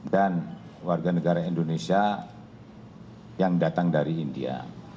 dan warga negara indonesia yang datang dari india